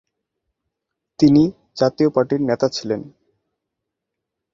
তিনি জাতীয় পার্টির নেতা ছিলেন।